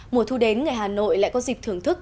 mùa thu đến người hà nội lại có dịp thưởng thức